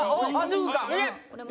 「脱ぐか？」